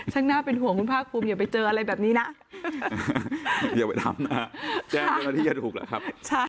ช่างหน้าเป็นห่วงคุณพ่าคุมอย่าไปเจออะไรแบบนี้นะอย่าไปทำนะคะแจ้งเจ้าหน้าที่จะถูกละครับใช่